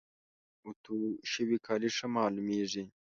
اوتو شوي کالي ښه معلوميږي.